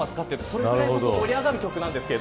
それぐらい盛り上がる曲なんです。